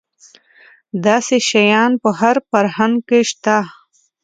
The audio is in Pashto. داسې شیان په هر فرهنګ کې شته.